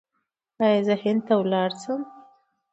ایا زه هند ته لاړ شم؟